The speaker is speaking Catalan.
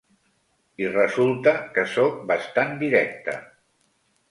I resulta que sóc bastant directe.